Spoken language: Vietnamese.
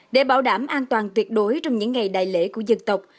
để bảo đảm an toàn tuyệt đối trong những ngày đại lễ của dân tộc